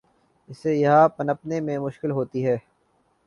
اسے یہاں پنپنے میں مشکل ہوتی ہے۔